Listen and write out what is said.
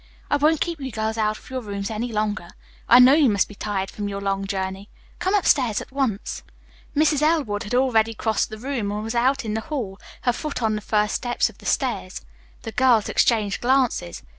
"I won't keep you girls out of your rooms any longer. I know you must be tired from your long journey. Come upstairs at once." Mrs. Elwood had already crossed the room and was out in the hall, her foot on the first step of the stairs. The girls exchanged glances.